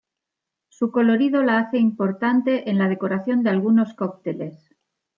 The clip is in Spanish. Su colorido la hace importante en la decoración de algunos cócteles.